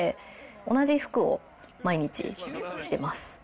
同じ服を毎日、着てます。